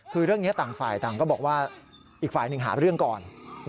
คือเรื่องนี้ต่างฝ่ายต่างก็บอกว่าอีกฝ่ายหนึ่งหาเรื่องก่อน